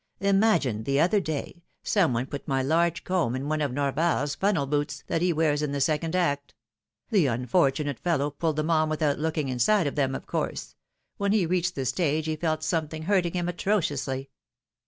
Imagine, the other day, some one put my large comb in one of Norvafs funnel boots, that he wears in the second act ; the unfortunate fellow pulled them on without looking inside of them, of course: when he reached the stage he felt something hurting him atro ciously!